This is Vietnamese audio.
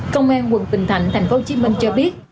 công an quận bình thành thành phố hồ chí minh cho biết